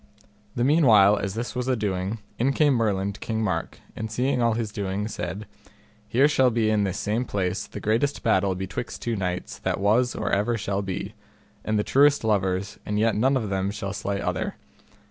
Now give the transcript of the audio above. The meanwhile as this was a doing, in came Merlin to King Mark, and seeing all his doing, said, Here shall be in this same place the greatest battle betwixt two knights that was or ever shall be, and the truest lovers, and yet none of them shall slay other.